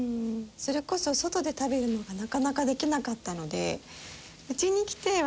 それこそ外で食べるのがなかなかできなかったので。